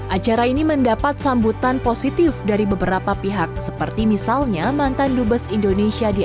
acara ini mendapat sambutan positif dari beberapa pihak seperti misalnya mantan dubes indonesia di